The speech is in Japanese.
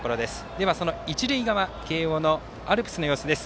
では一塁側、慶応のアルプスの様子です。